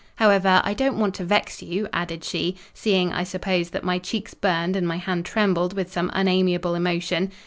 However, I don't want to vex you," added she, seeing, I suppose, that my cheeks burned and my hand trembled with some unamiable emotion.